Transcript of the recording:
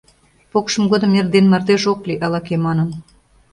— Покшым годым эрден мардеж ок лий, — ала-кӧ манын.